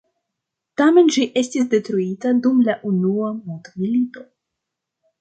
Tamen ĝi estis detruita dum la Unua mondmilito.